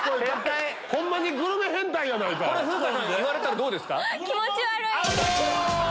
これ風花さん言われたらどうですか？